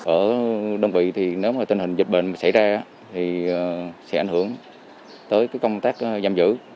ở đơn vị thì nếu mà tình hình dịch bệnh xảy ra thì sẽ ảnh hưởng tới công tác giam giữ